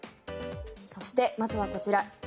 そして、まずはこちら。